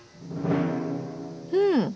うん！